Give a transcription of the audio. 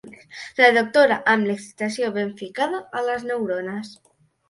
La doctora amb l'excitació ben ficada a les neurones.